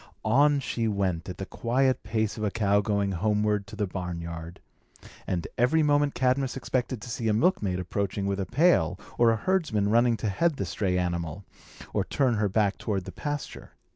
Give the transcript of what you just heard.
On she went at the quiet pace of a cow going homeward to the barnyard; and, every moment Cadmus expected to see a milkmaid approaching with a pail, or a herdsman running to head the stray animal, and turn her back toward the pasture.